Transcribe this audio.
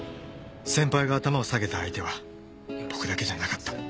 先輩が頭を下げた相手は僕だけじゃなかった。